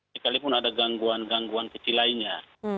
sekalipun ada gangguan gangguan kecil lainnya